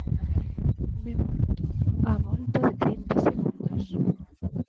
Vémolo todo á volta de trinta segundos.